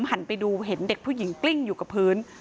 หันไปดูเห็นเด็กผู้หญิงกลิ้งอยู่กับพื้น